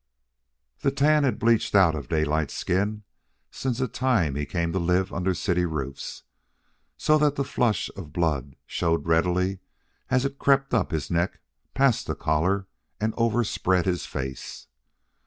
The tan had bleached out of Daylight's skin since the time he came to live under city roofs, so that the flush of blood showed readily as it crept up his neck past the collar and overspread his face.